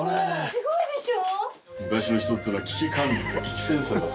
・・すごいでしょ？